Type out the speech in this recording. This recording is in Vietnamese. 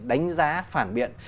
đánh giá phản biện